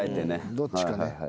どっちかね。